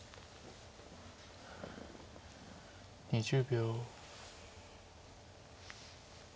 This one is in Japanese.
２０秒。